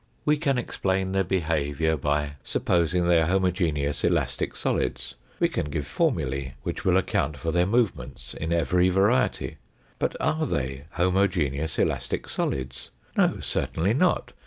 We can explain their behaviour by supposing they are homogeneous elastic solids. We can give formulae which will account for their movements in every variety. But are they homogeneous elastic solids ? No, certainly not.